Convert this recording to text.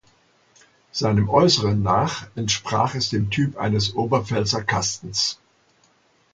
Seinem Äußeren nach entsprach es dem Typ eines „Oberpfälzer Kastens“.